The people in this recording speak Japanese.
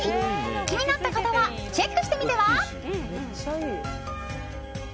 気になった方はチェックしてみては？